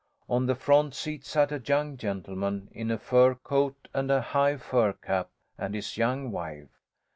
On the front seat sat a young gentleman, in a fur coat and a high fur cap, and his young wife.